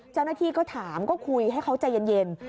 เจ้าหน้าที่ก็ถามก็คุยให้เขาใจเย็น